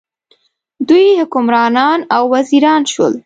دوی حکمران او وزیران شول.